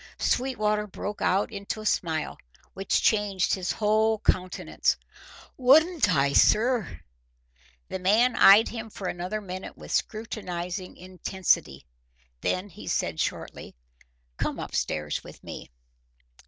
Sweetwater broke out into a smile, which changed his whole countenance. "Wouldn't I, sir?" The man eyed him for another minute with scrutinising intensity. Then he said shortly: "Come up stairs with me."